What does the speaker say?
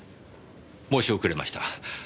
申し遅れました。